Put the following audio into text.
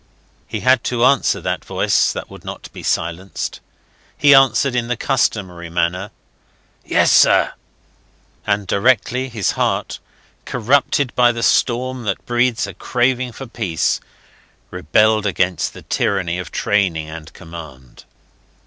He had to answer that voice that would not be silenced. He answered in the customary manner: "... Yes, sir." And directly, his heart, corrupted by the storm that breeds a craving for peace, rebelled against the tyranny of training and command.